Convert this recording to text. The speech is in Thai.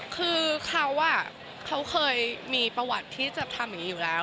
คือเขาเคยมีประวัติที่จะทำอย่างนี้อยู่แล้ว